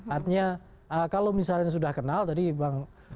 artinya kalau misalnya sudah kenal tadi bang